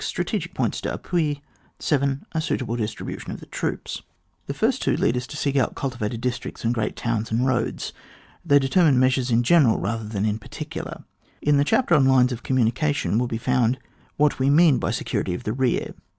Strategic points d'appui. 7. A suitable distribution of the troops. Our elucidation of these several points is as follows : The first two lead us to seek out culti vated districts, and great towns and roads. They determine measures in general rather than in particidar. In the chapter on lines of communica tion will be found what we mean bv security of the rear.